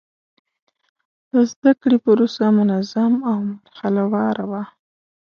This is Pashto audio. د زده کړې پروسه منظم او مرحله وار وه.